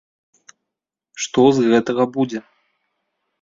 Што з гэтага будзе?